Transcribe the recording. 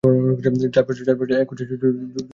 চার বছর পর এক কুৎসায় জড়িয়ে পরে তার কর্মজীবনে ধস নামে।